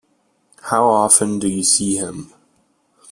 How often do you see him?